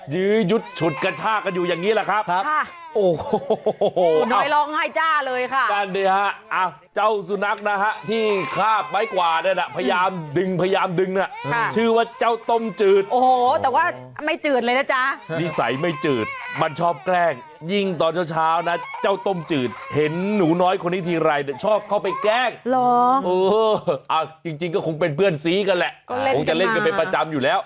ยืดฉุดกระชากันอยู่อย่างนี้แหละครับโอ้โฮโอ้โฮโอ้โฮโอ้โฮโอ้โฮโอ้โฮโอ้โฮโอ้โฮโอ้โฮโอ้โฮโอ้โฮโอ้โฮโอ้โฮโอ้โฮโอ้โฮโอ้โฮโอ้โฮโอ้โฮโอ้โฮโอ้โฮโอ้โฮโอ้โฮโอ้โฮโอ้โฮโอ้โฮโอ้โฮโอ้โฮโอ้โฮ